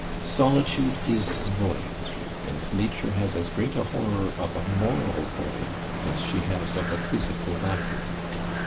Solitude is void; and nature has as great a horror of a moral void as she has of a physical vacuum.